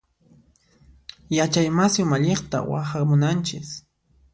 Yachay wasi umalliqta waqhamunanchis.